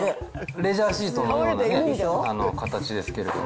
レジャーシートのような形ですけれども。